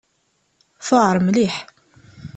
Tuɛeṛ mliḥ.